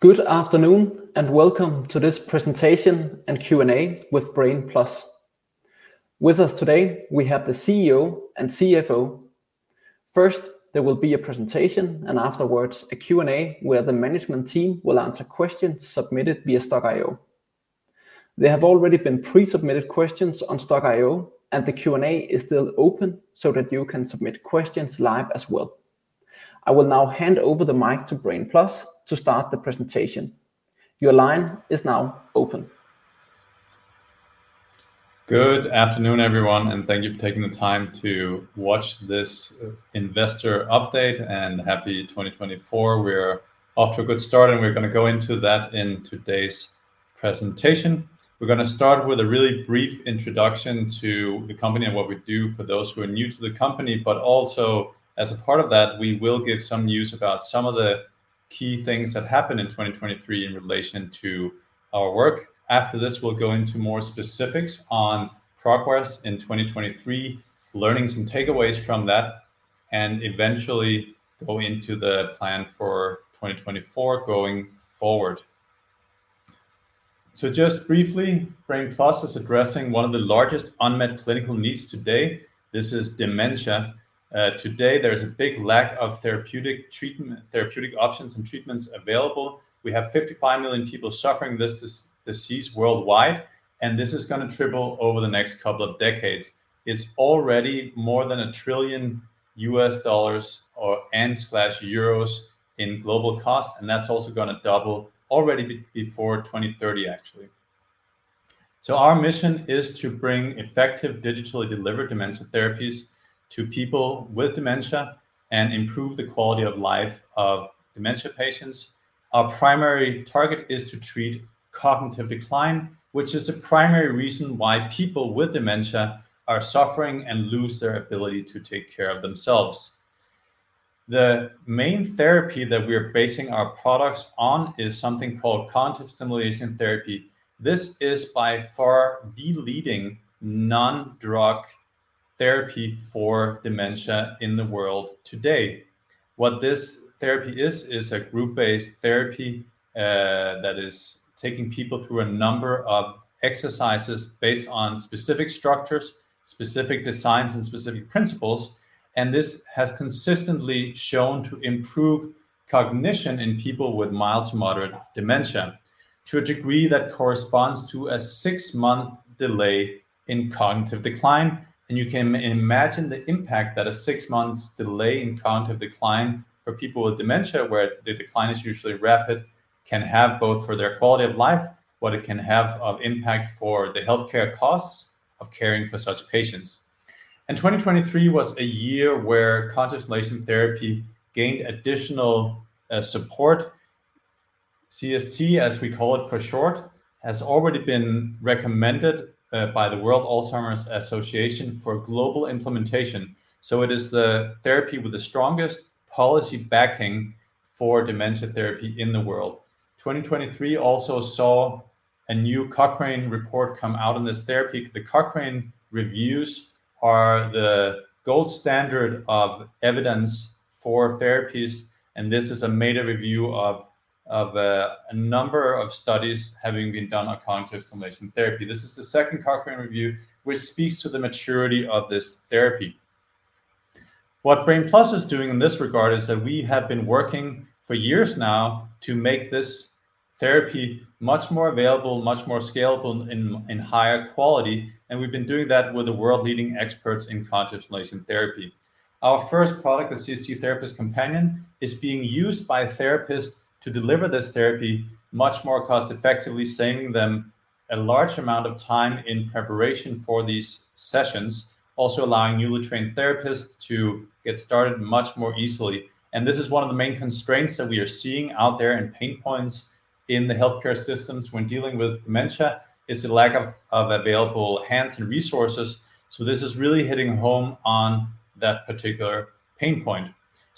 Good afternoon, and welcome to this presentation and Q&A with Brain+ With us today, we have the CEO and CFO. First, there will be a presentation, and afterwards a Q&A where the management team will answer questions submitted via Stokk.io. There have already been pre-submitted questions on Stokk.io, and the Q&A is still open so that you can submit questions live as well. I will now hand over the mic to Brain+ to start the presentation. Your line is now open. Good afternoon, everyone, and thank you for taking the time to watch this investor update, and happy 2024. We're off to a good start, and we're going to go into that in today's presentation. We're going to start with a really brief introduction to the company and what we do for those who are new to the company, but also as a part of that, we will give some news about some of the key things that happened in 2023 in relation to our work. After this, we'll go into more specifics on progress in 2023, learnings and takeaways from that, and eventually go into the plan for 2024 going forward. So just briefly, Brain+ is addressing one of the largest unmet clinical needs today. This is dementia. Today, there is a big lack of therapeutic treatment, therapeutic options and treatments available. We have 55 million people suffering this disease worldwide, and this is going to triple over the next couple of decades. It's already more than $1 trillion or and/or EUR 1 trillion in global costs, and that's also going to double already before 2030, actually. So our mission is to bring effective, digitally delivered dementia therapies to people with dementia and improve the quality of life of dementia patients. Our primary target is to treat cognitive decline, which is the primary reason why people with dementia are suffering and lose their ability to take care of themselves. The main therapy that we are basing our products on is something called Cognitive Stimulation Therapy. This is by far the leading non-drug therapy for dementia in the world today. What this therapy is, is a group-based therapy that is taking people through a number of exercises based on specific structures, specific designs, and specific principles, and this has consistently shown to improve cognition in people with mild to moderate dementia to a degree that corresponds to a 6-month delay in cognitive decline. And you can imagine the impact that a 6 months delay in cognitive decline for people with dementia, where the decline is usually rapid, can have both for their quality of life, what it can have of impact for the healthcare costs of caring for such patients. And 2023 was a year where Cognitive Stimulation Therapy gained additional support. CST, as we call it for short, has already been recommended by the World Alzheimer's Association for global implementation, so it is the therapy with the strongest policy backing for dementia therapy in the world. 2023 also saw a new Cochrane report come out on this therapy. The Cochrane reviews are the gold standard of evidence for therapies, and this is a meta review of a number of studies having been done on Cognitive Stimulation Therapy. This is the second Cochrane review, which speaks to the maturity of this therapy. What Brain+ is doing in this regard is that we have been working for years now to make this therapy much more available, much more scalable, and higher quality, and we've been doing that with the world-leading experts in Cognitive Stimulation Therapy. Our first product, the CST-Therapist Companion, is being used by therapists to deliver this therapy much more cost effectively, saving them a large amount of time in preparation for these sessions, also allowing newly trained therapists to get started much more easily. And this is one of the main constraints that we are seeing out there and pain points in the healthcare systems when dealing with dementia, is the lack of available hands and resources. So this is really hitting home on that particular pain point.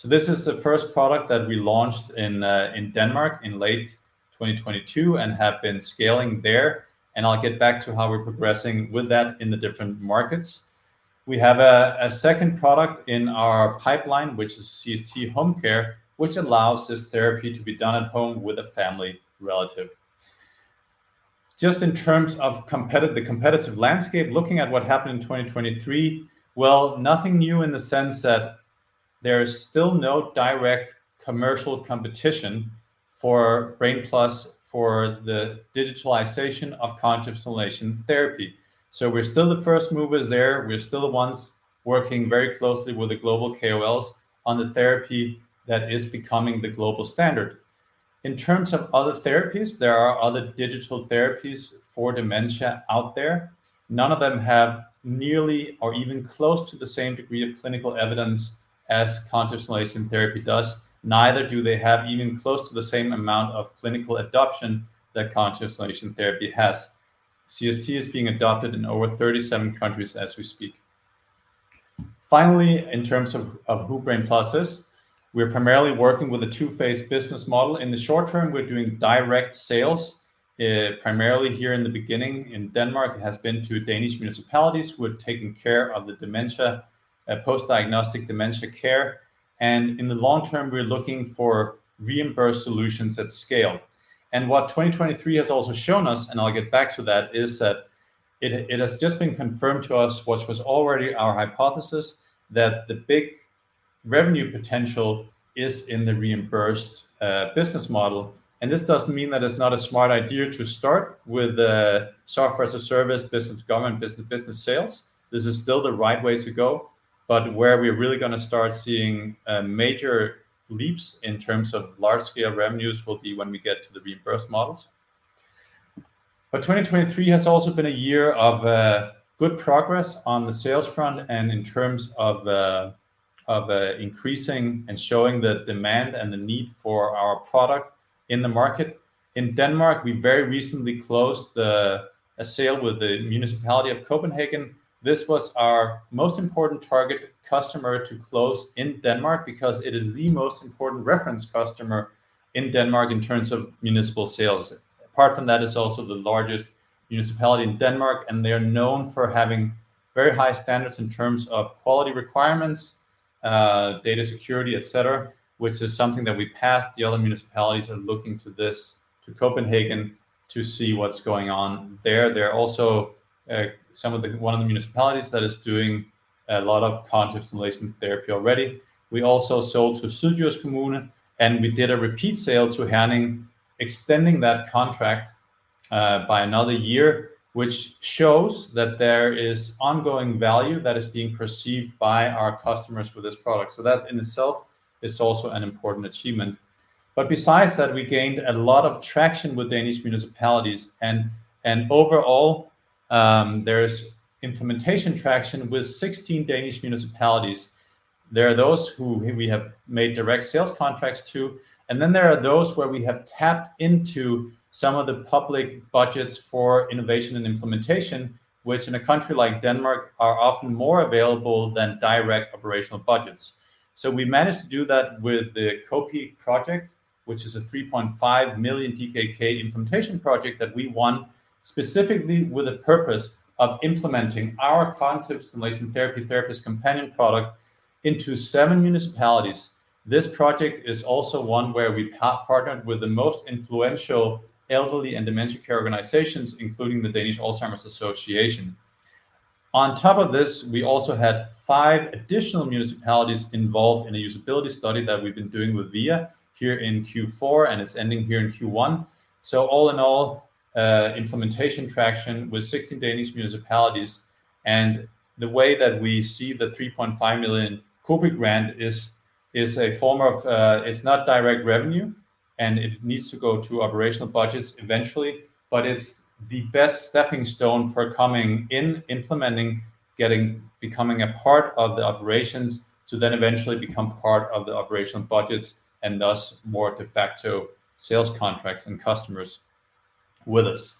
So this is the first product that we launched in in Denmark in late 2022 and have been scaling there, and I'll get back to how we're progressing with that in the different markets. We have a second product in our pipeline, which is CST-Home Care, which allows this therapy to be done at home with a family relative. Just in terms of the competitive landscape, looking at what happened in 2023, well, nothing new in the sense that there is still no direct commercial competition for Brain+ for the digitalization of Cognitive Stimulation Therapy. So we're still the first movers there. We're still the ones working very closely with the global KOLs on the therapy that is becoming the global standard. In terms of other therapies, there are other digital therapies for dementia out there. None of them have nearly or even close to the same degree of clinical evidence as Cognitive Stimulation Therapy does. Neither do they have even close to the same amount of clinical adoption that Cognitive Stimulation Therapy has. CST is being adopted in over 37 countries as we speak. Finally, in terms of, of who Brain+ is, we are primarily working with a two-phase business model. In the short term, we're doing direct sales-... primarily here in the beginning in Denmark, has been through Danish municipalities who had taken care of the dementia and post-diagnostic dementia care. And in the long term, we're looking for reimbursed solutions at scale. And what 2023 has also shown us, and I'll get back to that, is that it, it has just been confirmed to us what was already our hypothesis, that the big revenue potential is in the reimbursed business model. And this doesn't mean that it's not a smart idea to start with software as a service, business to government, business to business sales. This is still the right way to go, but where we're really going to start seeing major leaps in terms of large-scale revenues will be when we get to the reimbursed models. But 2023 has also been a year of good progress on the sales front and in terms of increasing and showing the demand and the need for our product in the market. In Denmark, we very recently closed a sale with the municipality of Copenhagen. This was our most important target customer to close in Denmark because it is the most important reference customer in Denmark in terms of municipal sales. Apart from that, it's also the largest municipality in Denmark, and they are known for having very high standards in terms of quality requirements, data security, et cetera, which is something that we passed. The other municipalities are looking to this, to Copenhagen to see what's going on there. They're also one of the municipalities that is doing a lot of Cognitive Stimulation Therapy already. We also sold to Sønderborg Kommune, and we did a repeat sale to Herning, extending that contract by another year, which shows that there is ongoing value that is being perceived by our customers for this product. So that in itself is also an important achievement. But besides that, we gained a lot of traction with Danish municipalities and overall, there is implementation traction with 16 Danish municipalities. There are those who we have made direct sales contracts to, and then there are those where we have tapped into some of the public budgets for innovation and implementation, which in a country like Denmark, are often more available than direct operational budgets. So we managed to do that with the Co-PI project, which is a 3.5 million DKK implementation project that we won specifically with the purpose of implementing our Cognitive Stimulation Therapy Therapist Companion product into seven municipalities. This project is also one where we partnered with the most influential elderly and dementia care organizations, including the Danish Alzheimer's Association. On top of this, we also had five additional municipalities involved in a usability study that we've been doing with VIA here in Q4, and it's ending here in Q1. So all in all, implementation traction with 16 Danish municipalities, and the way that we see the 3.5 million Co-PI grant is, is a form of... It's not direct revenue, and it needs to go to operational budgets eventually, but it's the best stepping stone for coming in, implementing, getting, becoming a part of the operations, to then eventually become part of the operational budgets and thus more de facto sales contracts and customers with us.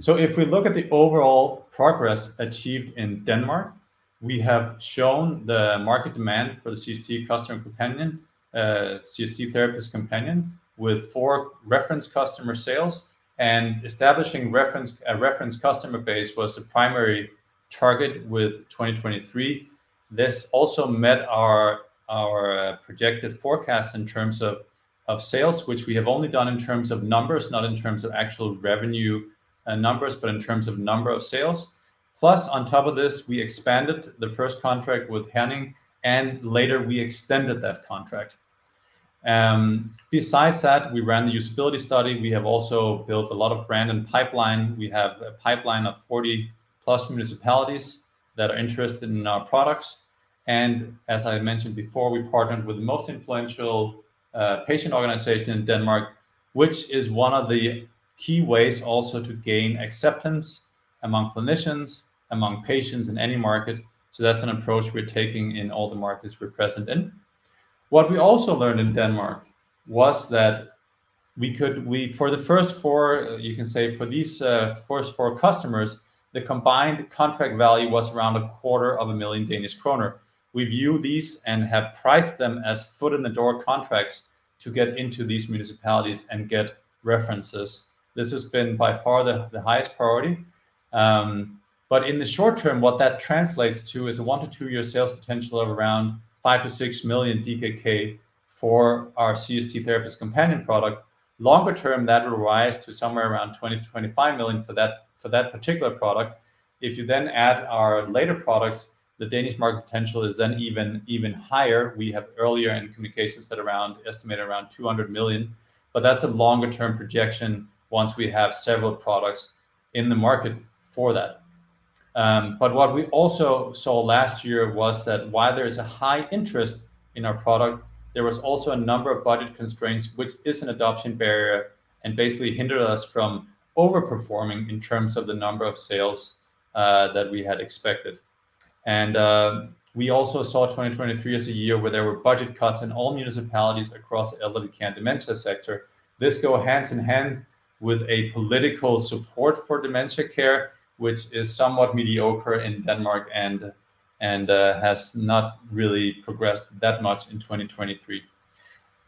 So if we look at the overall progress achieved in Denmark, we have shown the market demand for the CST-Therapist Companion with 4 reference customer sales and establishing a reference customer base was the primary target with 2023. This also met our projected forecast in terms of sales, which we have only done in terms of numbers, not in terms of actual revenue and numbers, but in terms of number of sales. Plus, on top of this, we expanded the first contract with Herning, and later we extended that contract. Besides that, we ran the usability study. We have also built a lot of brand and pipeline. We have a pipeline of 40+ municipalities that are interested in our products. As I mentioned before, we partnered with the most influential patient organization in Denmark, which is one of the key ways also to gain acceptance among clinicians, among patients in any market. So that's an approach we're taking in all the markets we're present in. What we also learned in Denmark was that we could for the first four, you can say, for these first four customers, the combined contract value was around 250,000 Danish kroner. We view these and have priced them as foot-in-the-door contracts to get into these municipalities and get references. This has been by far the highest priority. But in the short term, what that translates to is a 1-2-year sales potential of around 5-6 million DKK for our CST-Therapist Companion product. Longer term, that will rise to somewhere around 20-25 million for that, for that particular product. If you then add our later products, the Danish market potential is then even, even higher. We have earlier in communications said around, estimated around 200 million, but that's a longer-term projection once we have several products in the market for that. But what we also saw last year was that while there is a high interest in our product, there was also a number of budget constraints, which is an adoption barrier, and basically hindered us from overperforming in terms of the number of sales, that we had expected. We also saw 2023 as a year where there were budget cuts in all municipalities across elderly care and dementia sector. This go hand in hand with a political support for dementia care, which is somewhat mediocre in Denmark and has not really progressed that much in 2023.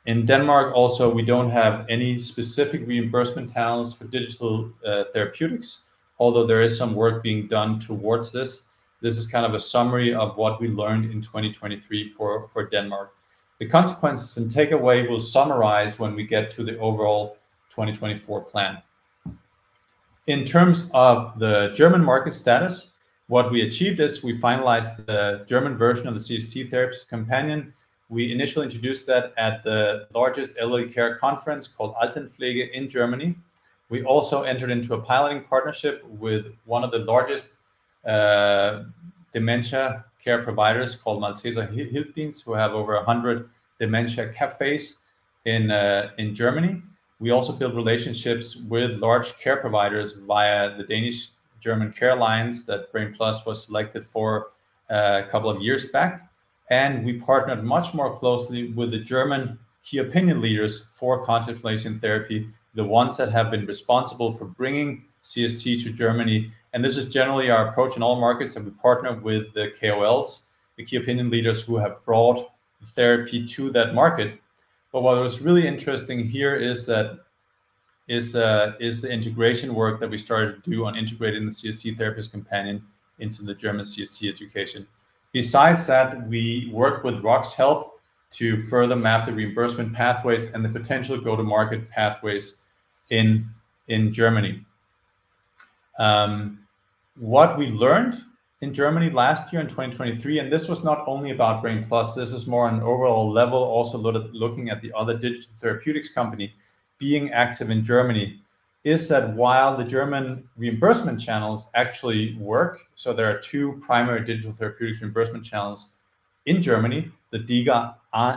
In Denmark also, we don't have any specific reimbursement channels for digital therapeutics, although there is some work being done towards this. This is kind of a summary of what we learned in 2023 for Denmark. The consequences and takeaway we'll summarize when we get to the overall 2024 plan. In terms of the German market status, what we achieved is we finalized the German version of the CST-Therapist Companion. We initially introduced that at the largest elderly care conference called Altenpflege in Germany. We also entered into a piloting partnership with one of the largest, dementia care providers called Malteser Hilfsdienst, who have over 100 dementia cafes in, in Germany. We also built relationships with large care providers via the Danish-German Care Alliance that Brain+ was selected for a couple of years back, and we partnered much more closely with the German key opinion leaders for stimulation therapy, the ones that have been responsible for bringing CST to Germany. This is generally our approach in all markets, that we partner with the KOLs, the key opinion leaders who have brought the therapy to that market. But what was really interesting here is that the integration work that we started to do on integrating the CST-Therapist Companion into the German CST education. Besides that, we worked with RoX Health to further map the reimbursement pathways and the potential go-to-market pathways in Germany. What we learned in Germany last year in 2023, and this was not only about Brain+, this is more on an overall level, also looking at the other digital therapeutics company being active in Germany, is that while the German reimbursement channels actually work, so there are two primary digital therapeutics reimbursement channels in Germany, the DiGA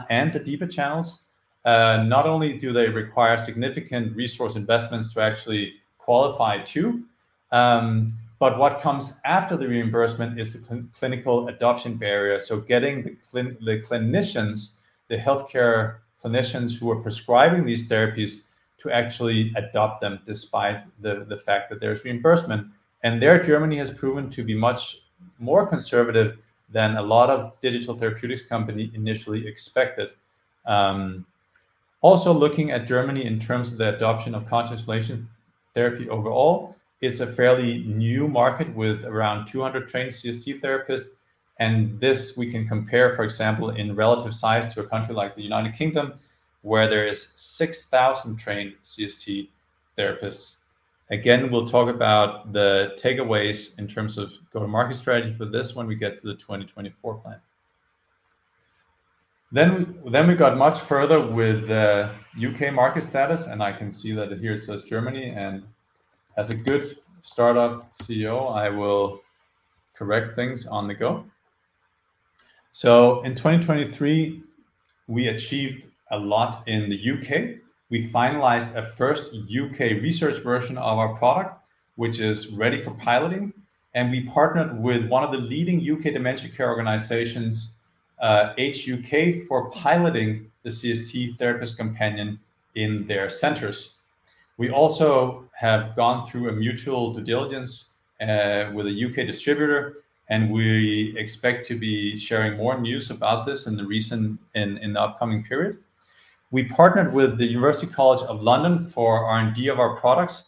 and the DiPA channels. Not only do they require significant resource investments to actually qualify to, but what comes after the reimbursement is the clinical adoption barrier. So getting the clinicians, the healthcare clinicians who are prescribing these therapies to actually adopt them despite the fact that there's reimbursement. There, Germany has proven to be much more conservative than a lot of digital therapeutics company initially expected. Also looking at Germany in terms of the adoption of Cognitive Stimulation Therapy overall, it's a fairly new market with around 200 trained CST therapists, and this we can compare, for example, in relative size to a country like the United Kingdom, where there is 6,000 trained CST therapists. Again, we'll talk about the takeaways in terms of go-to-market strategy for this when we get to the 2024 plan. Then we got much further with the UK market status, and I can see that here it says Germany, and as a good startup CEO, I will correct things on the go. So in 2023, we achieved a lot in the UK. We finalized a first U.K. research version of our product, which is ready for piloting, and we partnered with one of the leading U.K. dementia care organizations, Age UK, for piloting the CST-Therapist Companion in their centers. We also have gone through a mutual due diligence with a UK distributor, and we expect to be sharing more news about this in the upcoming period. We partnered with the University College London for R&D of our products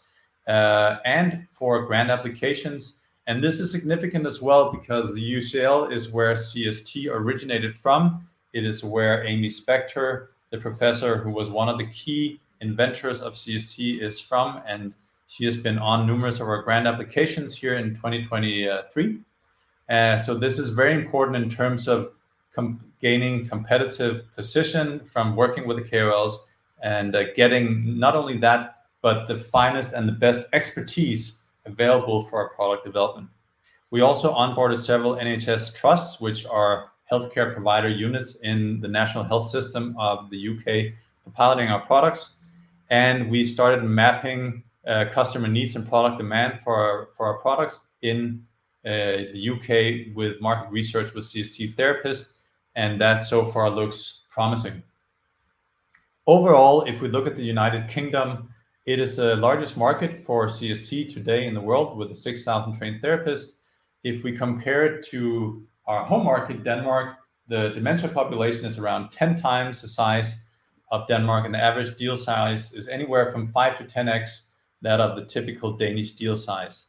and for grant applications. And this is significant as well because UCL is where CST originated from. It is where Aimee Spector, the professor, who was one of the key inventors of CST, is from, and she has been on numerous of our grant applications here in 2023. So this is very important in terms of gaining competitive position from working with the KOLs and getting not only that, but the finest and the best expertise available for our product development. We also onboarded several NHS trusts, which are healthcare provider units in the National Health Service of the U.K., for piloting our products, and we started mapping customer needs and product demand for our, for our products in the UK with market research with CST therapists, and that so far looks promising. Overall, if we look at the United Kingdom, it is the largest market for CST today in the world, with 6,000 trained therapists. If we compare it to our home market, Denmark, the dementia population is around 10x the size of Denmark, and the average deal size is anywhere from 5-10x that of the typical Danish deal size.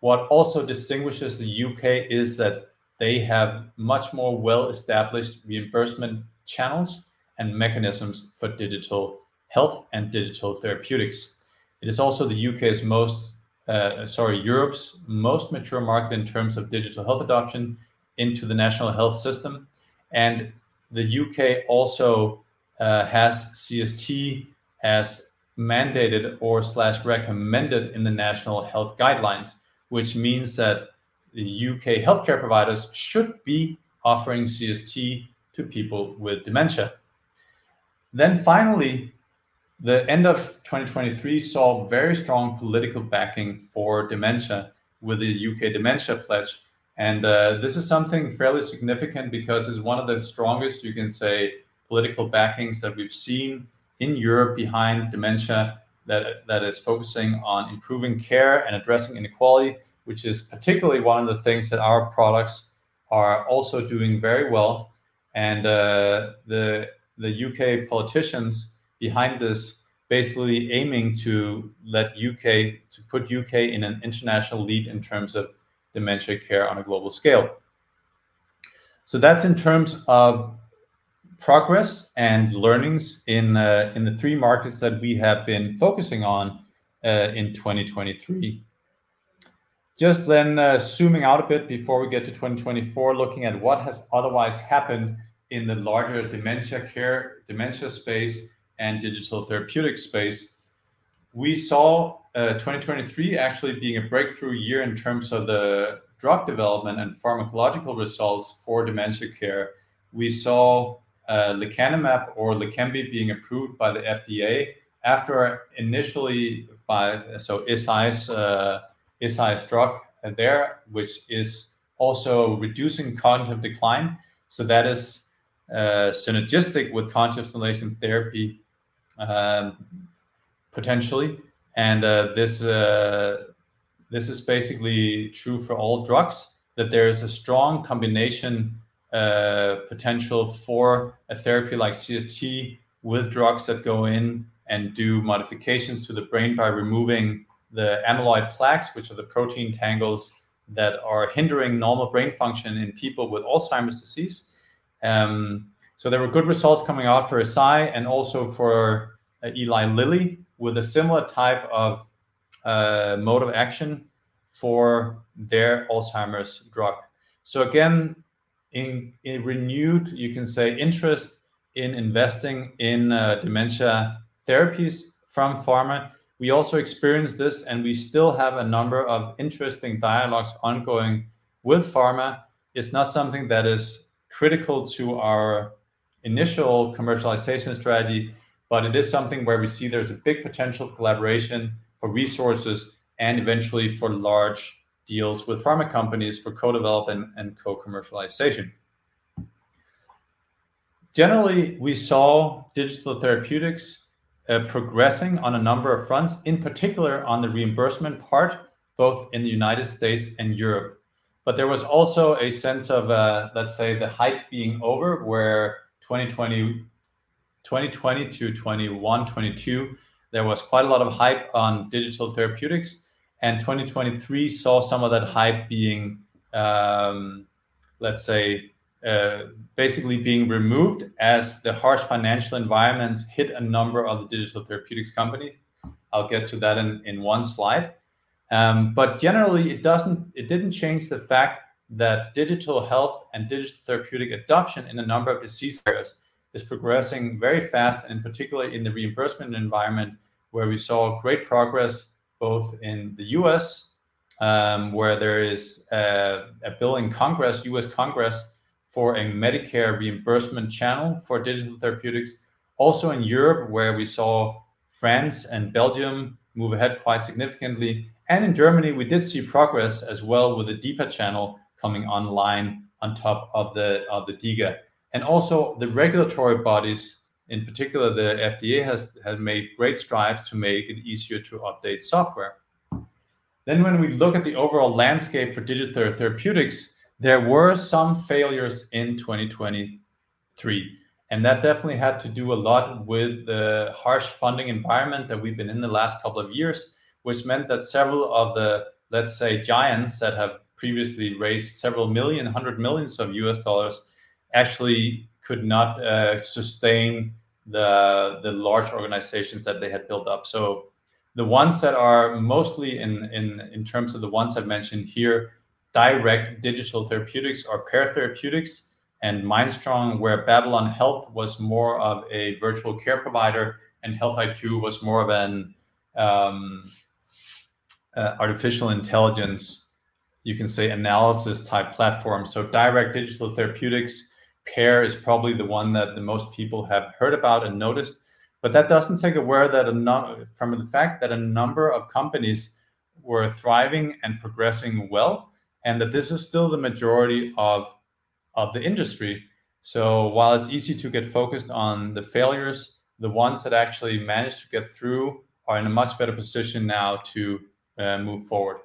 What also distinguishes the U.K. is that they have much more well-established reimbursement channels and mechanisms for digital health and digital therapeutics. It is also the U.K.'s most, Europe's most mature market in terms of digital health adoption into the National Health System. The U.K. also has CST as mandated/recommended in the National Health Guidelines, which means that the U.K. healthcare providers should be offering CST to people with dementia. Then finally, the end of 2023 saw very strong political backing for dementia with the U.K. Dementia Pledge, and this is something fairly significant because it's one of the strongest, you can say, political backings that we've seen in Europe behind dementia that is focusing on improving care and addressing inequality, which is particularly one of the things that our products are also doing very well. And the U.K. politicians behind this basically aiming to let U.K., to put U.K. in an international lead in terms of dementia care on a global scale. So that's in terms of progress and learnings in the three markets that we have been focusing on in 2023. Just then, zooming out a bit before we get to 2024, looking at what has otherwise happened in the larger dementia care, dementia space, and digital therapeutic space. We saw, 2023 actually being a breakthrough year in terms of the drug development and pharmacological results for dementia care. We saw, lecanemab or Leqembi being approved by the FDA after initially by, so Eisai's, Eisai's drug there, which is also reducing cognitive decline. So that is, synergistic with Cognitive Stimulation Therapy, potentially. And, this, this is basically true for all drugs, that there is a strong combination, potential for a therapy like CST with drugs that go in and do modifications to the brain by removing the amyloid plaques, which are the protein tangles that are hindering normal brain function in people with Alzheimer's disease. So there were good results coming out for Eisai and also for Eli Lilly, with a similar type of mode of action for their Alzheimer's drug. So again, in a renewed, you can say, interest in investing in dementia therapies from pharma. We also experienced this, and we still have a number of interesting dialogues ongoing with pharma. It's not something that is critical to our initial commercialization strategy, but it is something where we see there's a big potential for collaboration, for resources, and eventually for large deals with pharma companies, for co-development and co-commercialization. Generally, we saw digital therapeutics progressing on a number of fronts, in particular on the reimbursement part, both in the United States and Europe. But there was also a sense of, let's say, the hype being over, where 2020, 2020 to 2021, 2022, there was quite a lot of hype on digital therapeutics, and 2023 saw some of that hype being, let's say, basically being removed as the harsh financial environments hit a number of the digital therapeutics companies. I'll get to that in one slide. But generally, it didn't change the fact that digital health and digital therapeutic adoption in a number of disease areas is progressing very fast, and particularly in the reimbursement environment, where we saw great progress both in the U.S., where there is a bill in Congress, U.S. Congress, for a Medicare reimbursement channel for digital therapeutics. Also in Europe, where we saw France and Belgium move ahead quite significantly. In Germany, we did see progress as well, with the DiPA channel coming online on top of the DiGA. Also the regulatory bodies, in particular, the FDA has made great strides to make it easier to update software. When we look at the overall landscape for digital therapeutics, there were some failures in 2023, and that definitely had to do a lot with the harsh funding environment that we've been in the last couple of years, which meant that several of the, let's say, giants that have previously raised several million dollars, hundreds of millions of dollars, actually could not sustain the large organizations that they had built up. So the ones that are mostly in terms of the ones I've mentioned here, direct digital therapeutics or Pear Therapeutics and Mindstrong, where Babylon Health was more of a virtual care provider, and Health IQ was more of an artificial intelligence, you can say, analysis type platform. So direct digital therapeutics, Pear is probably the one that the most people have heard about and noticed, but that doesn't take away from the fact that a number of companies were thriving and progressing well, and that this is still the majority of the industry. So while it's easy to get focused on the failures, the ones that actually managed to get through are in a much better position now to move forward.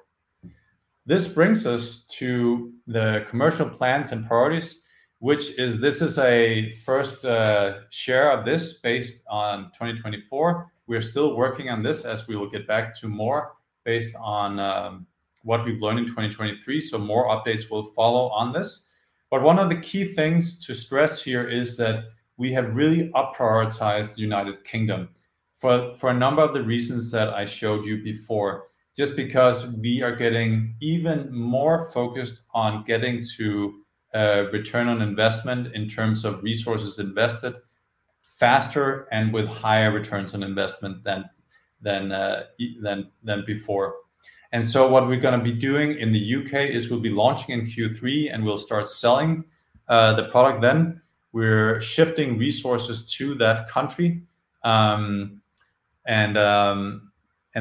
This brings us to the commercial plans and priorities, which is, this is a first share of this based on 2024. We are still working on this as we will get back to more based on what we've learned in 2023. So more updates will follow on this. But one of the key things to stress here is that we have really up prioritized the United Kingdom for a number of the reasons that I showed you before, just because we are getting even more focused on getting to a return on investment in terms of resources invested faster and with higher returns on investment than before. And so what we're gonna be doing in the UK is we'll be launching in Q3, and we'll start selling the product then. We're shifting resources to that country, and...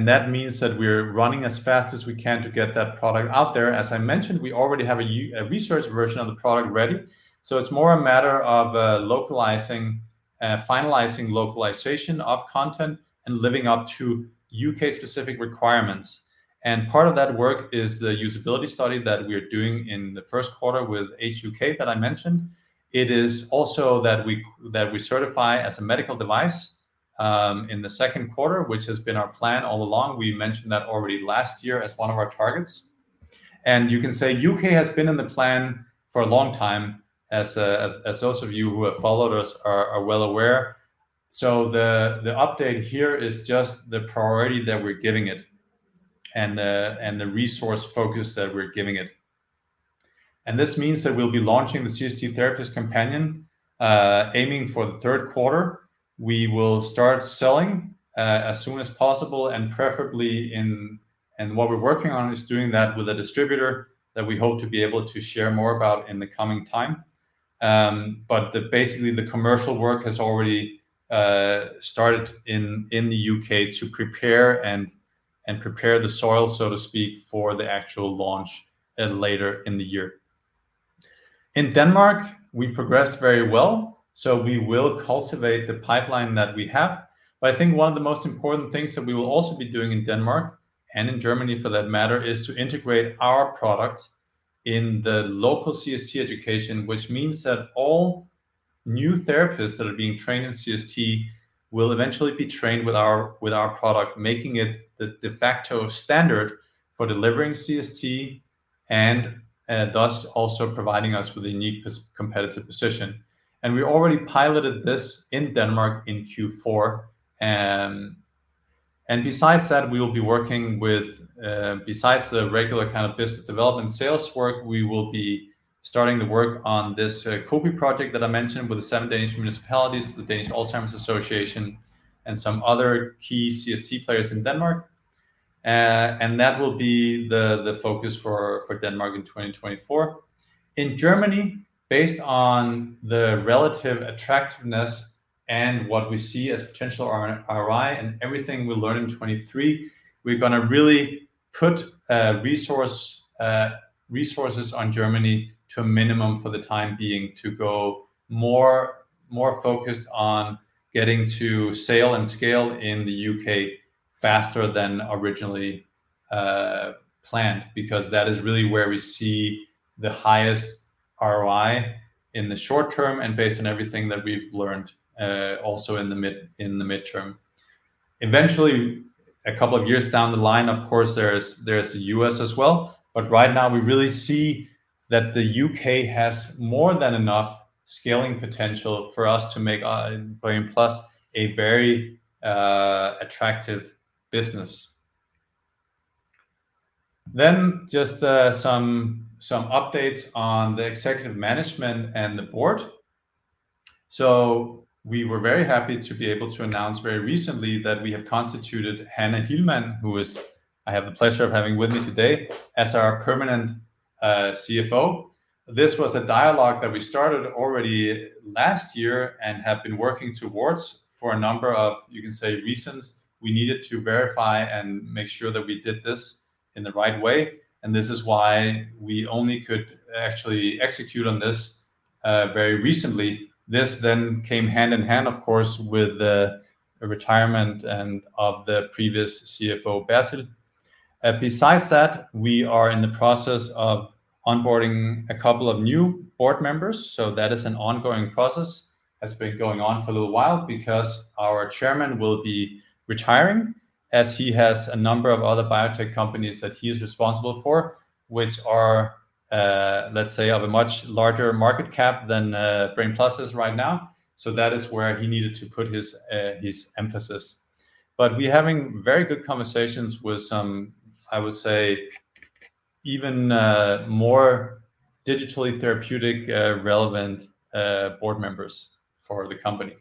That means that we're running as fast as we can to get that product out there. As I mentioned, we already have a research version of the product ready, so it's more a matter of localizing, finalizing localization of content and living up to U.K.-specific requirements. Part of that work is the usability study that we are doing in the first quarter with Age UK that I mentioned. It is also that we certify as a medical device in the second quarter, which has been our plan all along. We mentioned that already last year as one of our targets, and you can say U.K. has been in the plan for a long time as those of you who have followed us are well aware. So the update here is just the priority that we're giving it and the resource focus that we're giving it. And this means that we'll be launching the CST-Therapist Companion, aiming for the third quarter. We will start selling as soon as possible and preferably in-- and what we're working on is doing that with a distributor that we hope to be able to share more about in the coming time. But basically, the commercial work has already started in the UK to prepare and prepare the soil, so to speak, for the actual launch later in the year. In Denmark, we progressed very well, so we will cultivate the pipeline that we have. But I think one of the most important things that we will also be doing in Denmark, and in Germany for that matter, is to integrate our product in the local CST education, which means that all new therapists that are being trained in CST will eventually be trained with our, with our product, making it the de facto standard for delivering CST and, and thus also providing us with a unique competitive position. We already piloted this in Denmark in Q4. Besides that, we will be working with, besides the regular kind of business development sales work, we will be starting the work on this Co-PI project that I mentioned with the seven Danish municipalities, the Danish Alzheimer's Association, and some other key CST players in Denmark. That will be the focus for Denmark in 2024. In Germany, based on the relative attractiveness and what we see as potential ROI and everything we learned in 2023, we're gonna really put resources on Germany to a minimum for the time being, to go more focused on getting to sale and scale in the UK faster than originally planned. Because that is really where we see the highest ROI in the short term, and based on everything that we've learned, also in the midterm. Eventually, a couple of years down the line, of course, there's the US as well, but right now we really see that the UK has more than enough scaling potential for us to make Brain+ a very attractive business. Then just some updates on the executive management and the Board. We were very happy to be able to announce very recently that we have constituted Hanne Leth Hillman, who is... I have the pleasure of having with me today as our permanent CFO. This was a dialogue that we started already last year and have been working towards for a number of, you can say, reasons. We needed to verify and make sure that we did this in the right way, and this is why we only could actually execute on this very recently. This then came hand in hand, of course, with the retirement of the previous CFO, Bertil. Besides that, we are in the process of onboarding a couple of new Board members, so that is an ongoing process. Has been going on for a little while because our chairman will be retiring as he has a number of other biotech companies that he is responsible for, which are, let's say, of a much larger market cap than, Brain+ is right now. So that is where he needed to put his emphasis. But we're having very good conversations with some, I would say, even more digitally therapeutic relevant Board members for the company.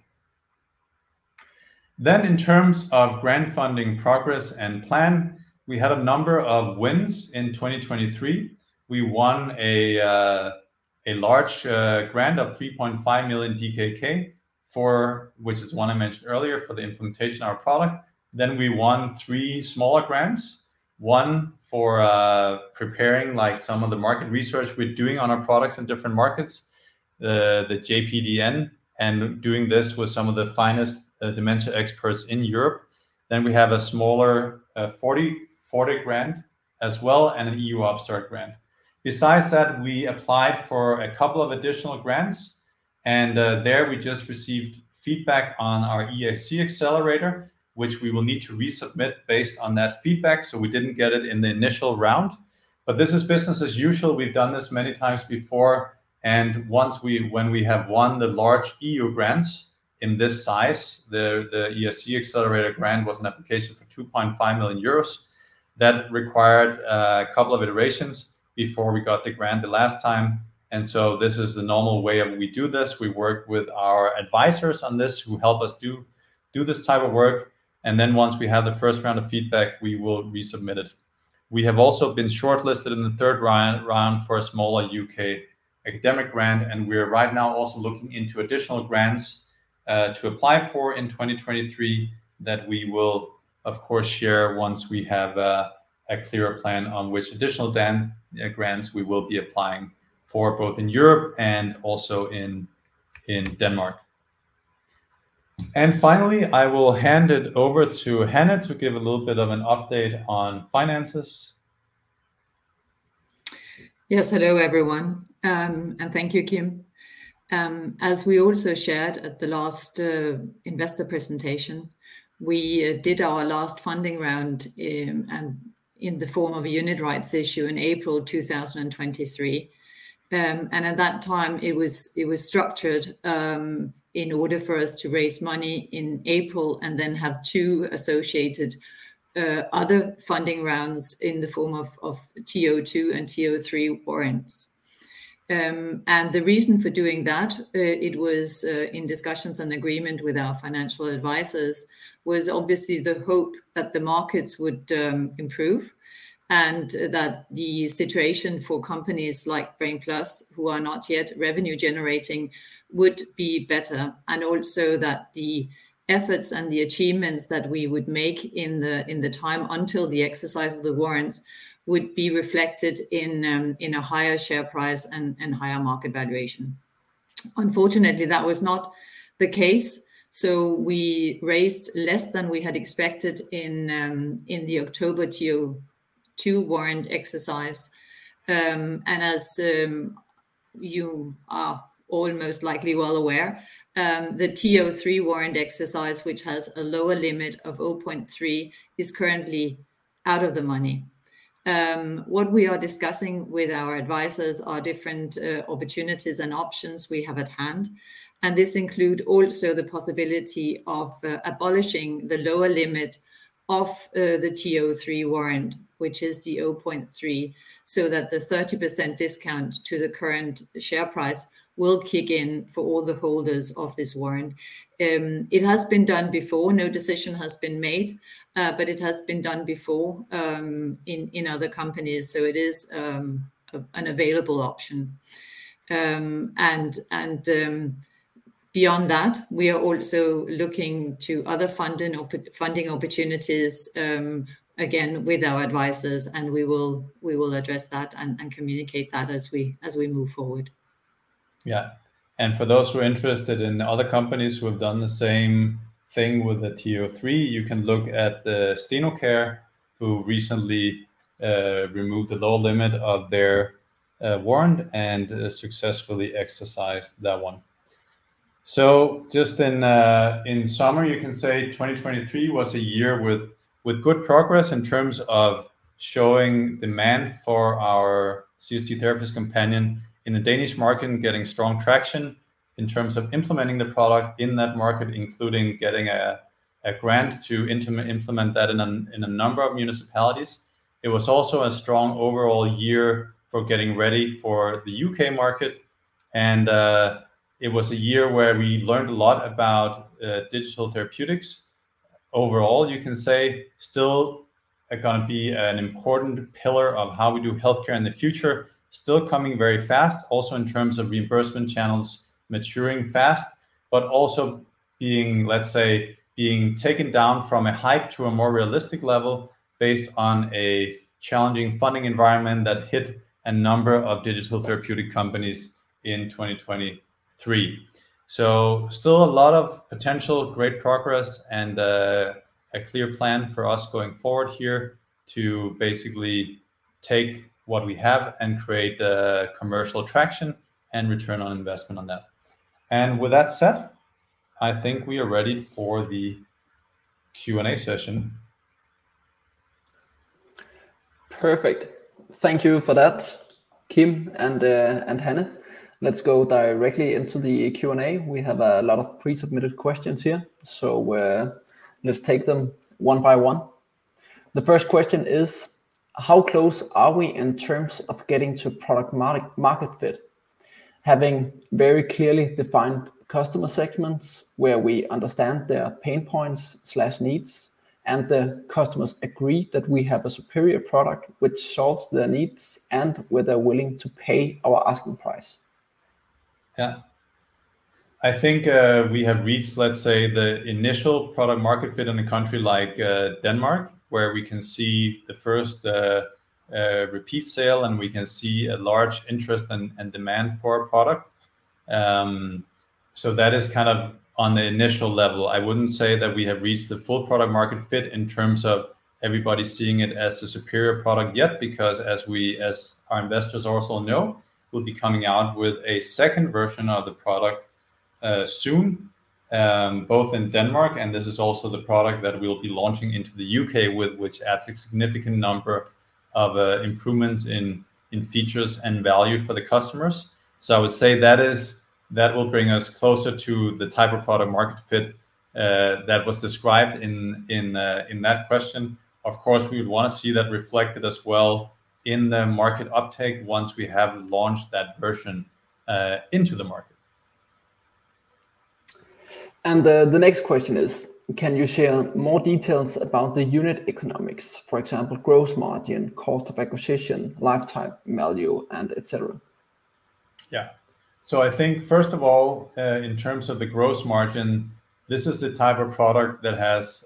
Then, in terms of grant funding progress and plan, we had a number of wins in 2023. We won a large grant of 3.5 million DKK, for which is one I mentioned earlier, for the implementation of our product. Then we won 3 smaller grants, one for preparing, like, some of the market research we're doing on our products in different markets, the JPND, and doing this with some of the finest dementia experts in Europe. Then we have a smaller 40,000 grant as well, and an EU Startup grant. Besides that, we applied for a couple of additional grants, and there we just received feedback on our EIC Accelerator, which we will need to resubmit based on that feedback, so we didn't get it in the initial round. But this is business as usual. We've done this many times before, and once we, when we have won the large EU grants in this size, the EIC Accelerator grant was an application for 2.5 million euros. That required a couple of iterations before we got the grant the last time, and so this is the normal way of we do this. We work with our advisors on this, who help us do this type of work, and then once we have the first round of feedback, we will resubmit it. We have also been shortlisted in the third round for a smaller UK academic grant, and we are right now also looking into additional grants to apply for in 2023 that we will, of course, share once we have a clearer plan on which additional then grants we will be applying for, both in Europe and also in Denmark. And finally, I will hand it over to Hanne to give a little bit of an update on finances. Yes. Hello, everyone. Thank you, Kim. As we also shared at the last investor presentation, we did our last funding round, and in the form of a unit rights issue in April 2023. At that time, it was, it was structured in order for us to raise money in April and then have two associated other funding rounds in the form of TO-2 and TO-3 warrants. The reason for doing that, it was in discussions and agreement with our financial advisors, was obviously the hope that the markets would improve, and that the situation for companies like Brain+, who are not yet revenue generating, would be better. Also, the efforts and the achievements that we would make in the time until the exercise of the warrants would be reflected in a higher share price and higher market valuation. Unfortunately, that was not the case, so we raised less than we had expected in the October TO-2 warrant exercise. And as you are all most likely well aware, the TO-3 warrant exercise, which has a lower limit of 0.3, is currently out of the money. What we are discussing with our advisors are different opportunities and options we have at hand, and this include also the possibility of abolishing the lower limit of the TO-3 warrant, which is the 0.3, so that the 30% discount to the current share price will kick in for all the holders of this warrant. It has been done before. No decision has been made, but it has been done before in other companies, so it is an available option. And beyond that, we are also looking to other funding opportunities, again, with our advisors, and we will address that and communicate that as we move forward. Yeah. For those who are interested in other companies who have done the same thing with the TO-3, you can look at Stenocare, who recently removed the lower limit of their warrant and successfully exercised that one. So just in summary, you can say 2023 was a year with good progress in terms of showing demand for our CST-Therapist Companion in the Danish market and getting strong traction in terms of implementing the product in that market, including getting a grant to implement that in a number of municipalities. It was also a strong overall year for getting ready for the UK market, and it was a year where we learned a lot about digital therapeutics. Overall, you can say still it gonna be an important pillar of how we do healthcare in the future, still coming very fast. Also, in terms of reimbursement channels, maturing fast, but also being, let's say, being taken down from a hype to a more realistic level based on a challenging funding environment that hit a number of digital therapeutic companies in 2023. So still a lot of potential, great progress, and a clear plan for us going forward here to basically take what we have and create the commercial traction and return on investment on that. And with that said, I think we are ready for the Q&A session. Perfect. Thank you for that, Kim and Hanne. Let's go directly into the Q&A. We have a lot of pre-submitted questions here, so, let's take them one by one. The first question is: How close are we in terms of getting to product market fit? Having very clearly defined customer segments, where we understand their pain points/needs, and the customers agree that we have a superior product which solves their needs and where they're willing to pay our asking price. Yeah. I think, we have reached, let's say, the initial product market fit in a country like, Denmark, where we can see the first, repeat sale, and we can see a large interest and, demand for our product. So that is kind of on the initial level. I wouldn't say that we have reached the full product market fit in terms of everybody seeing it as a superior product yet, because as we, as our investors also know, we'll be coming out with a second version of the product, soon, both in Denmark, and this is also the product that we'll be launching into the UK with, which adds a significant number of, improvements in, features and value for the customers. So I would say that will bring us closer to the type of product market fit that was described in that question. Of course, we would want to see that reflected as well in the market uptake once we have launched that version into the market. The next question is, can you share more details about the unit economics? For example, gross margin, cost of acquisition, lifetime value, and et cetera. Yeah. So I think first of all, in terms of the gross margin, this is the type of product that has,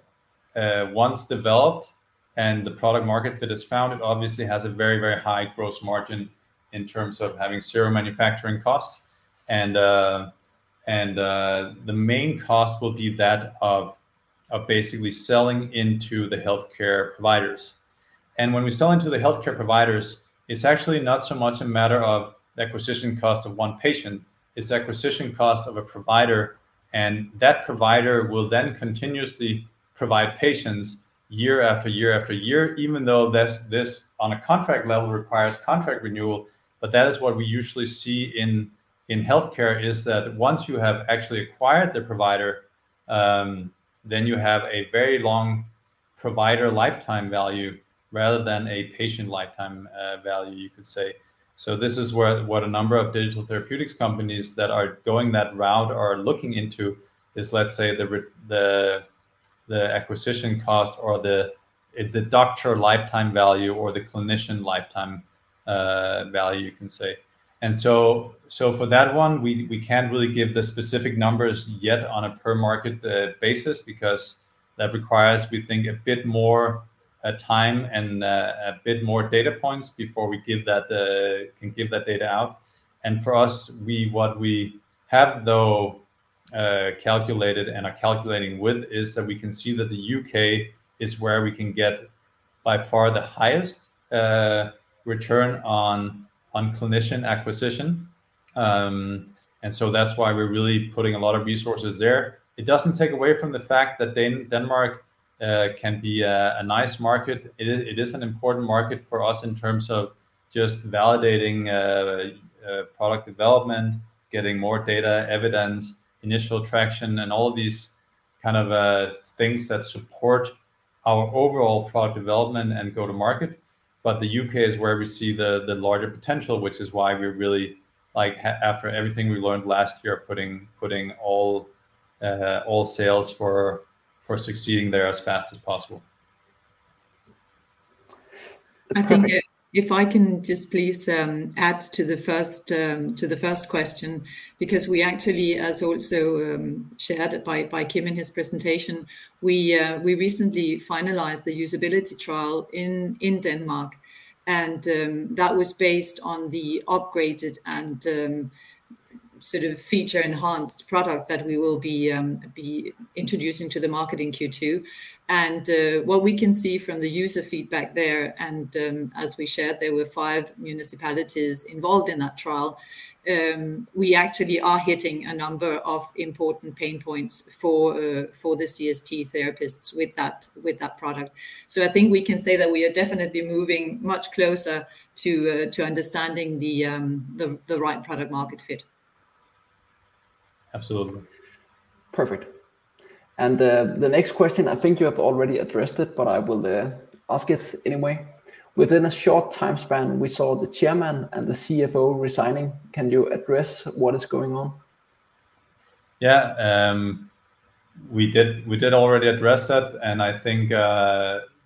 once developed and the product market fit is found, it obviously has a very, very high gross margin in terms of having zero manufacturing costs. And, the main cost will be that of, basically selling into the healthcare providers. And when we sell into the healthcare providers, it's actually not so much a matter of acquisition cost of one patient, it's acquisition cost of a provider, and that provider will then continuously provide patients year after year after year, even though this, on a contract level requires contract renewal. But that is what we usually see in healthcare, is that once you have actually acquired the provider, then you have a very long provider lifetime value rather than a patient lifetime value, you could say. So this is where what a number of digital therapeutics companies that are going that route are looking into is, let's say, the acquisition cost or the doctor lifetime value or the clinician lifetime value, you can say. And so for that one, we can't really give the specific numbers yet on a per market basis, because that requires, we think, a bit more time and a bit more data points before we give that, can give that data out. And for us, what we have, though, calculated and are calculating with, is that we can see that the UK is where we can get by far the highest return on clinician acquisition. And so that's why we're really putting a lot of resources there. It doesn't take away from the fact that Denmark can be a nice market. It is an important market for us in terms of just validating product development, getting more data, evidence, initial traction, and all of these kind of things that support our overall product development and go-to-market. But the UK is where we see the larger potential, which is why we're really, like, after everything we learned last year, putting all sales for succeeding there as fast as possible. Perfect. I think if I can just please add to the first question, because we actually, as also shared by Kim in his presentation, we recently finalized the usability trial in Denmark, and that was based on the upgraded and sort of feature enhanced product that we will be introducing to the market in Q2. And what we can see from the user feedback there, and as we shared, there were five municipalities involved in that trial, we actually are hitting a number of important pain points for the CST therapists with that product. So I think we can say that we are definitely moving much closer to understanding the right product market fit. Absolutely. Perfect. The next question, I think you have already addressed it, but I will ask it anyway. Within a short time span, we saw the chairman and the CFO resigning. Can you address what is going on? Yeah. We did, we did already address that, and I think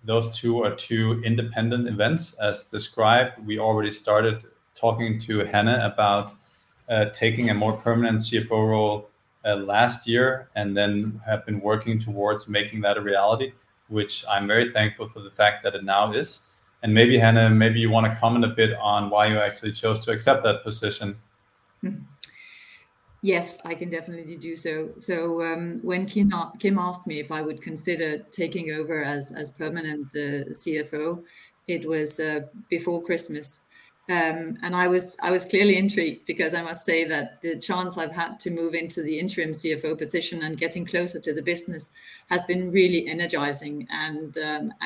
those two are two independent events. As described, we already started talking to Hanne about taking a more permanent CFO role last year, and then have been working towards making that a reality, which I'm very thankful for the fact that it now is. And maybe, Hanne, maybe you want to comment a bit on why you actually chose to accept that position. Yes, I can definitely do so. So, when Kim asked me if I would consider taking over as permanent CFO, it was before Christmas. And I was clearly intrigued because I must say that the chance I've had to move into the interim CFO position and getting closer to the business has been really energizing and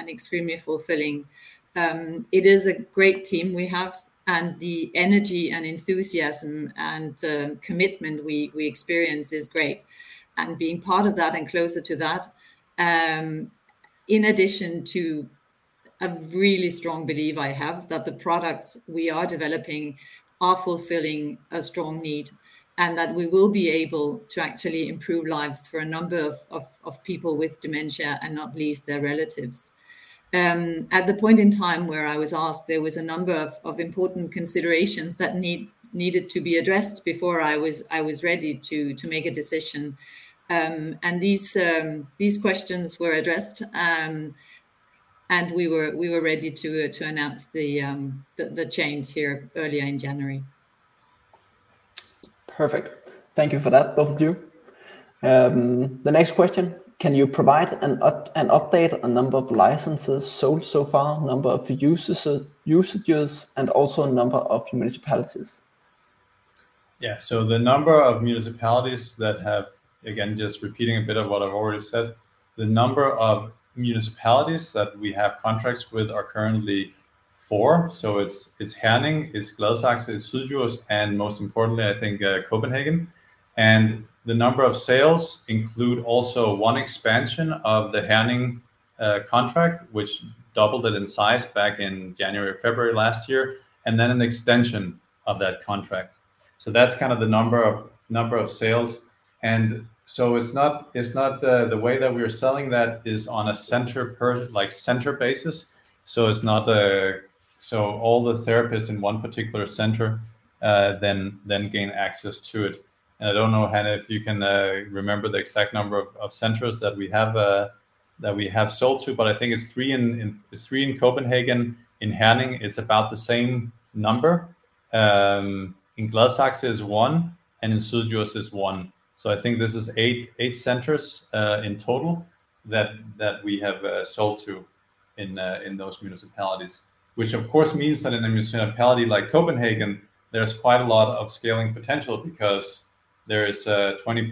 extremely fulfilling. It is a great team we have, and the energy and enthusiasm and commitment we experience is great, and being part of that and closer to that, in addition to a really strong belief I have that the products we are developing are fulfilling a strong need, and that we will be able to actually improve lives for a number of people with dementia, and not least, their relatives. At the point in time where I was asked, there was a number of important considerations that needed to be addressed before I was ready to make a decision. And these questions were addressed, and we were ready to announce the change here earlier in January. Perfect. Thank you for that, both of you. The next question: Can you provide an update on number of licenses sold so far, number of usages, and also number of municipalities? Yeah. So the number of municipalities that have... Again, just repeating a bit of what I've already said, the number of municipalities that we have contracts with are currently four. So it's Herning, it's Gladsaxe, it's Sønderborg, and most importantly, I think, Copenhagen. And the number of sales include also one expansion of the Herning contract which doubled it in size back in January or February last year, and then an extension of that contract. So that's kind of the number of sales. And so it's not the way that we are selling that is on a center per, like, center basis. So it's not so all the therapists in one particular center then gain access to it. I don't know, Hanne, if you can remember the exact number of centers that we have sold to, but I think it's three in Copenhagen. In Herning, it's about the same number. In Glostrup is one, and in Sønderborg is one. So I think this is eight centers in total that we have sold to in those municipalities. Which of course means that in a municipality like Copenhagen, there's quite a lot of scaling potential because there is 20+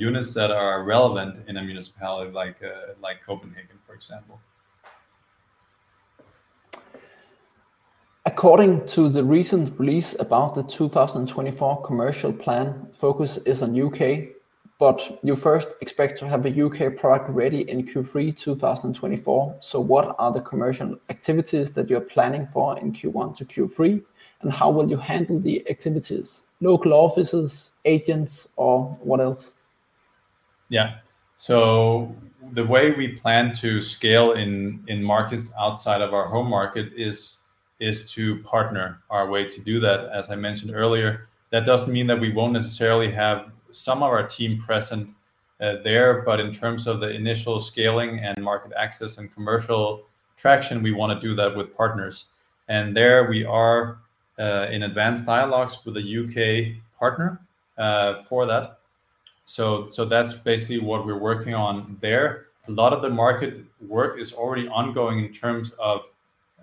units that are relevant in a municipality like Copenhagen, for example. According to the recent release about the 2024 commercial plan, focus is on UK, but you first expect to have the UK product ready in Q3 2024. So what are the commercial activities that you're planning for in Q1-Q3, and how will you handle the activities, local offices, agents, or what else? Yeah. So the way we plan to scale in markets outside of our home market is to partner our way to do that, as I mentioned earlier. That doesn't mean that we won't necessarily have some of our team present there, but in terms of the initial scaling and market access and commercial traction, we wanna do that with partners. And there we are in advanced dialogues with a UK partner for that. So that's basically what we're working on there. A lot of the market work is already ongoing in terms of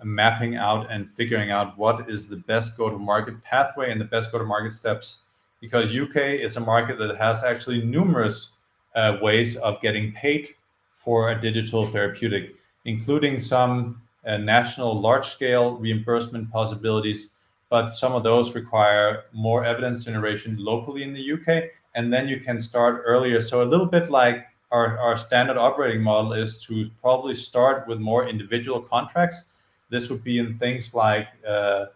mapping out and figuring out what is the best go-to-market pathway and the best go-to-market steps. Because U.K. is a market that has actually numerous ways of getting paid for a digital therapeutic, including some national large-scale reimbursement possibilities, but some of those require more evidence generation locally in the U.K., and then you can start earlier. So a little bit like our standard operating model is to probably start with more individual contracts. This would be in things like the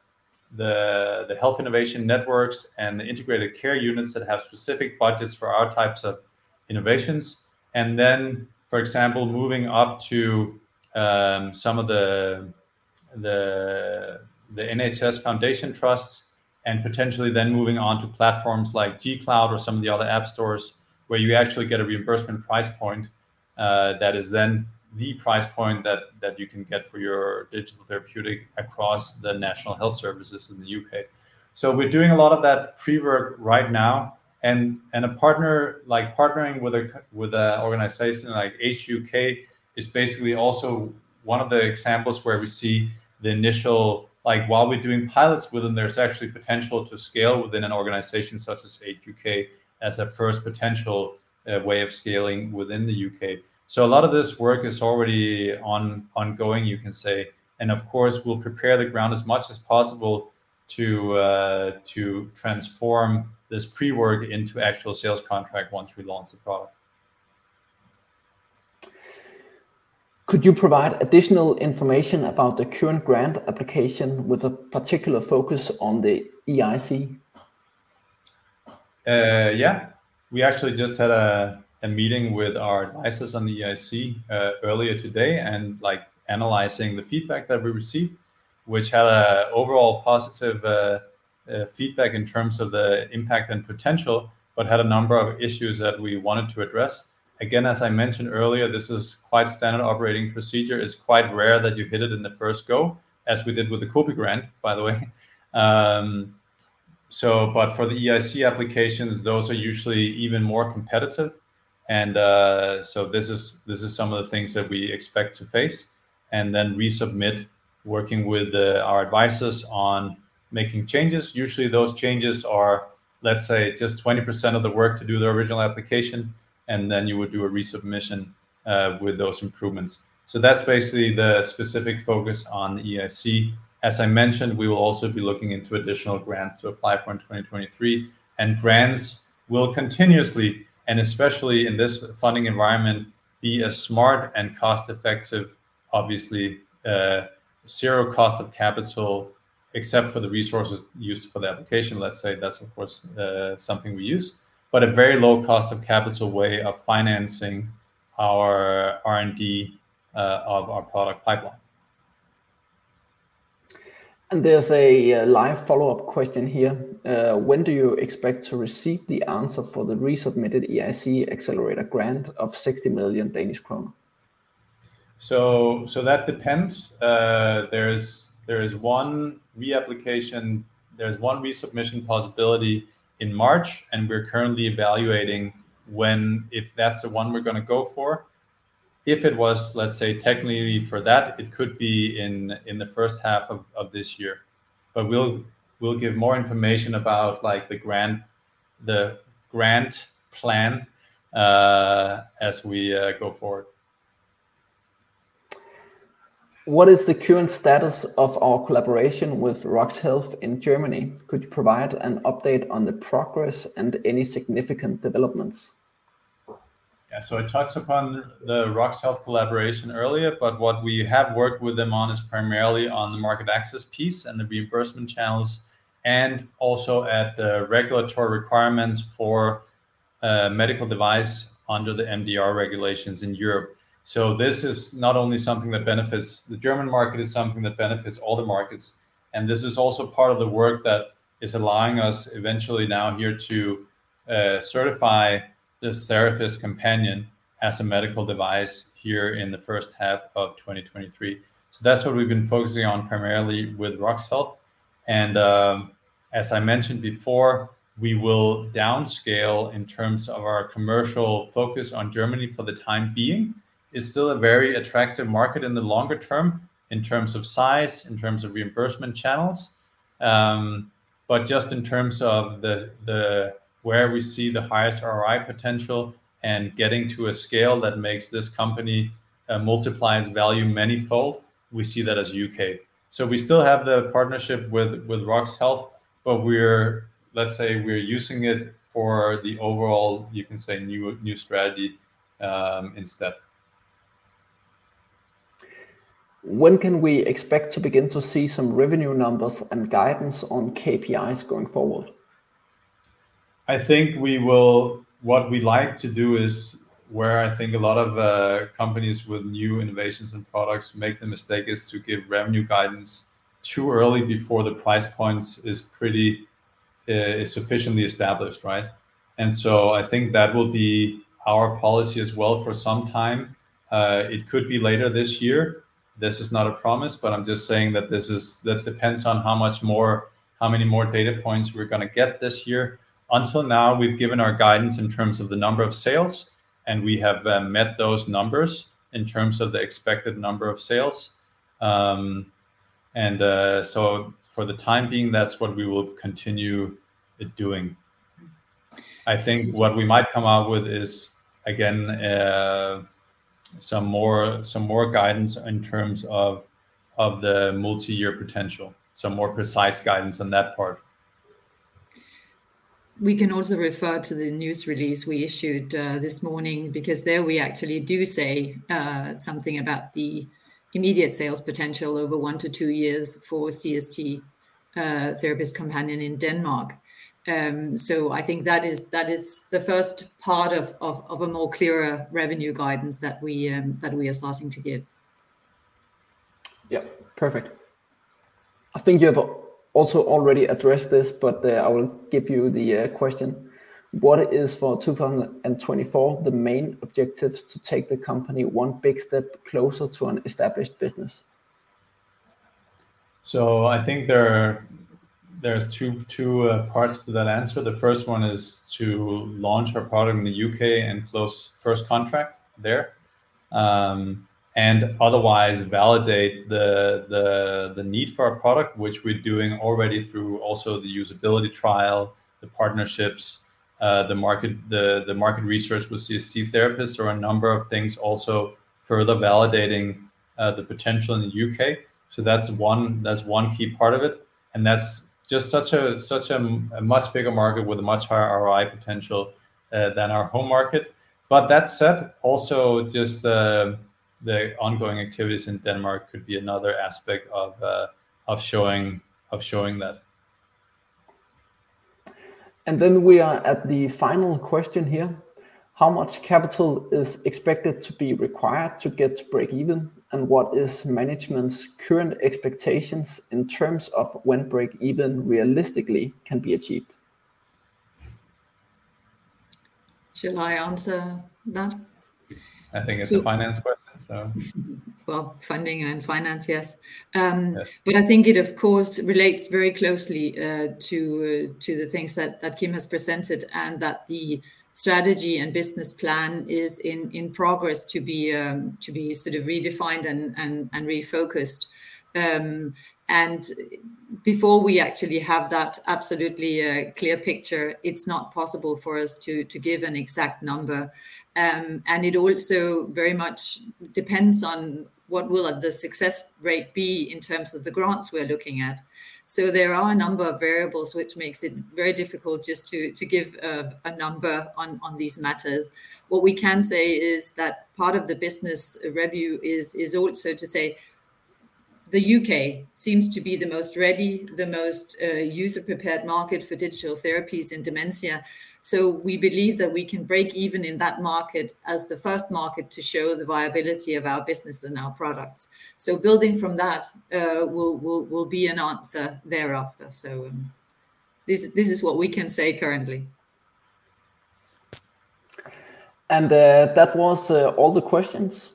Health Innovation Networks and the Integrated Care Units that have specific budgets for our types of innovations. Then, for example, moving up to some of the NHS foundation trusts, and potentially then moving on to platforms like G-Cloud or some of the other app stores, where you actually get a reimbursement price point, that is then the price point that you can get for your digital therapeutic across the National Health Service in the UK. So we're doing a lot of that pre-work right now, and partnering with an organization like Age UK is basically also one of the examples where we see the initial. Like, while we're doing pilots with them, there's actually potential to scale within an organization such as Age UK as a first potential way of scaling within the UK. A lot of this work is already ongoing, you can say, and of course, we'll prepare the ground as much as possible to transform this pre-work into actual sales contract once we launch the product. Could you provide additional information about the current grant application, with a particular focus on the EIC? Yeah. We actually just had a meeting with our advisors on the EIC earlier today, and like analyzing the feedback that we received, which had an overall positive feedback in terms of the impact and potential, but had a number of issues that we wanted to address. Again, as I mentioned earlier, this is quite standard operating procedure. It's quite rare that you hit it in the first go, as we did with the Co-PI grant, by the way. But for the EIC applications, those are usually even more competitive, and so this is some of the things that we expect to face, and then resubmit, working with our advisors on making changes. Usually, those changes are, let's say, just 20% of the work to do the original application, and then you would do a resubmission with those improvements. So that's basically the specific focus on the EIC. As I mentioned, we will also be looking into additional grants to apply for in 2023, and grants will continuously, and especially in this funding environment, be a smart and cost-effective, obviously, zero cost of capital, except for the resources used for the application, let's say. That's, of course, something we use, but a very low cost of capital way of financing our R&D of our product pipeline. There's a live follow-up question here. "When do you expect to receive the answer for the resubmitted EIC Accelerator grant of 60 million Danish kroner? So that depends. There is one reapplication, there's one resubmission possibility in March, and we're currently evaluating when, if that's the one we're gonna go for. If it was, let's say, technically for that, it could be in the first half of this year. But we'll give more information about like the grant, the grant plan, as we go forward. What is the current status of our collaboration with RoX Health in Germany? Could you provide an update on the progress and any significant developments? Yeah, so I touched upon the RoX Health collaboration earlier, but what we have worked with them on is primarily on the market access piece and the reimbursement channels, and also at the regulatory requirements for a medical device under the MDR regulations in Europe. So this is not only something that benefits the German market, it's something that benefits all the markets, and this is also part of the work that is allowing us eventually now here to certify this Therapist Companion as a medical device here in the first half of 2023. So that's what we've been focusing on primarily with RoX Health. And, as I mentioned before, we will downscale in terms of our commercial focus on Germany for the time being. It's still a very attractive market in the longer term, in terms of size, in terms of reimbursement channels. But just in terms of where we see the highest ROI potential and getting to a scale that makes this company multiply its value manyfold, we see that as UK. So we still have the partnership with RoX Health, but we're using it for the overall, you can say, new strategy instead. When can we expect to begin to see some revenue numbers and guidance on KPIs going forward? I think we will... What we'd like to do is, where I think a lot of companies with new innovations and products make the mistake, is to give revenue guidance too early before the price point is pretty, is sufficiently established, right? And so I think that will be our policy as well for some time. It could be later this year. This is not a promise, but I'm just saying that that depends on how many more data points we're gonna get this year. Until now, we've given our guidance in terms of the number of sales, and we have met those numbers in terms of the expected number of sales. So for the time being, that's what we will continue doing. I think what we might come out with is, again, some more guidance in terms of the multi-year potential, some more precise guidance on that part. We can also refer to the news release we issued this morning, because there we actually do say something about the immediate sales potential over 1-2 years for CST-Therapist Companion in Denmark. So I think that is the first part of a more clearer revenue guidance that we that we are starting to give. Yep, perfect. I think you have also already addressed this, but, I will give you the question. What is, for 2024, the main objectives to take the company one big step closer to an established business? So I think there are two parts to that answer. The first one is to launch our product in the UK and close first contract there. And otherwise validate the need for our product, which we're doing already through also the usability trial, the partnerships, the market research with CST therapists, or a number of things also further validating the potential in the UK. So that's one, that's one key part of it, and that's just such a much bigger market with a much higher ROI potential than our home market. But that said, also just the ongoing activities in Denmark could be another aspect of showing that. And then we are at the final question here: How much capital is expected to be required to get to break even, and what is management's current expectations in terms of when break even realistically can be achieved? Shall I answer that? I think it's a finance question, so... Well, funding and finance, yes. Yes. But I think it, of course, relates very closely to the things that Kim has presented, and that the strategy and business plan is in progress to be sort of redefined and refocused. Before we actually have that absolutely clear picture, it's not possible for us to give an exact number. It also very much depends on what will the success rate be in terms of the grants we're looking at. So there are a number of variables, which makes it very difficult just to give a number on these matters. What we can say is that part of the business review is also to say the U.K. seems to be the most ready, the most user-prepared market for digital therapies in dementia. So we believe that we can break even in that market as the first market to show the viability of our business and our products. So building from that, will be an answer thereafter. So this is what we can say currently. That was all the questions.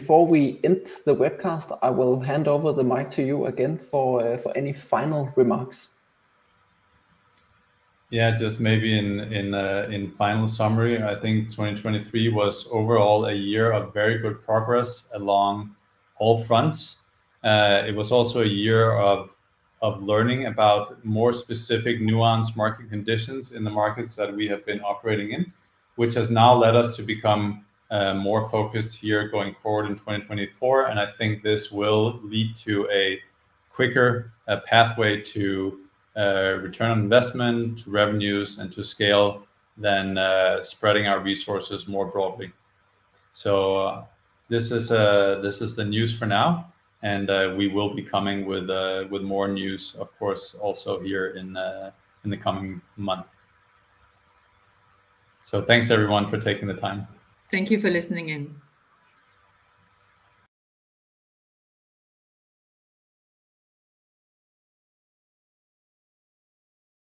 Before we end the webcast, I will hand over the mic to you again for for any final remarks. Yeah, just maybe in final summary, I think 2023 was overall a year of very good progress along all fronts. It was also a year of learning about more specific nuanced market conditions in the markets that we have been operating in, which has now led us to become more focused here going forward in 2024. And I think this will lead to a quicker pathway to return on investment, to revenues, and to scale than spreading our resources more broadly. So this is the news for now, and we will be coming with more news, of course, also here in the coming month. So thanks, everyone, for taking the time. Thank you for listening in.